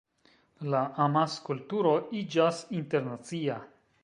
La amaskulturo iĝas internacia.